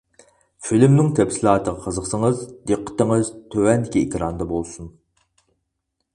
فىلىمنىڭ تەپسىلاتىغا قىزىقسىڭىز، دىققىتىڭىز تۆۋەندىكى ئېكراندا بولسۇن!